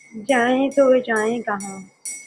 جائیں تو جائیں کہاں؟